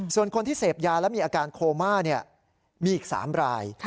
ส่วนคนที่เสพยาและมีอาการโคม่ามีอีก๓ราย